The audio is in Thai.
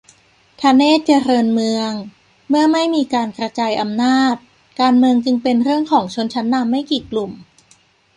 ธเนศวร์ เจริญเมือง : เมื่อไม่มีการกระจายอำนาจ การเมืองจึงเป็นเรื่องของชนชั้นนำไม่กี่กลุ่ม